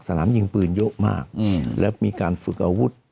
สนามยิงปืนเยอะมากและมีการฝึกอาวุธ